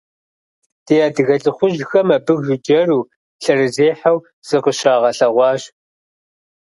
Ди адыгэ лӏыхъужьхэм абы жыджэру, лъэрызехьэу зыкъыщагъэлъэгъуащ.